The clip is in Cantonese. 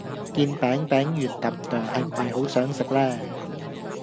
件餅餅圓氹朵係唔係好想食呢